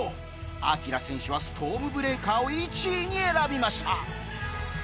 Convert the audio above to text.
アキラ選手はストームブレイカーを１位に選びました